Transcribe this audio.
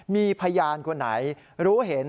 มีพยานคนไหนรู้เห็น